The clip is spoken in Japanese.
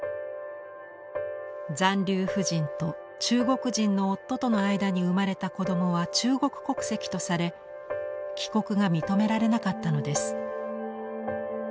残留婦人と中国人の夫との間に生まれた子どもは中国国籍とされ帰国が認められなかったのです。